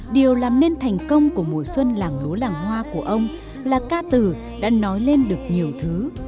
điều làm nên thành công của mùa xuân làng lúa làng hoa của ông là ca từ đã nói lên được nhiều thứ